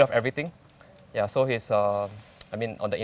perusahaan makanan kombi